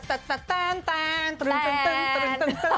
ต้านต้านต้ารึ้นต้านต้าน